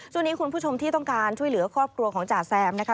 ช่วงนี้คุณผู้ชมที่ต้องการช่วยเหลือครอบครัวของจ่าแซมนะคะ